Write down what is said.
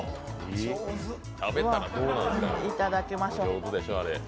いただきましょう。